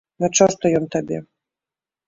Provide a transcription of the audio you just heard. На чорта ён табе.